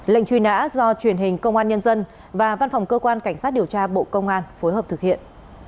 lệnh truy nã do truyền hình công an nhân dân và văn phòng cơ quan cảnh sát điều tra bộ công an phối hợp thực hiện